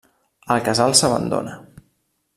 El Casal s'abandona.